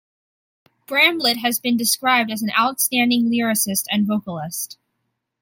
Bramblett has been described as an outstanding lyricist and vocalist.